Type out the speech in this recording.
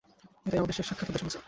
এটাই আমাদের শেষ সাক্ষাৎ হতে চলেছে।